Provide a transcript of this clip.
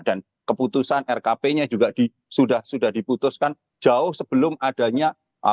dan keputusan rkp nya juga sudah diputuskan jauh sebelum adanya